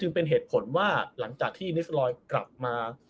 อืม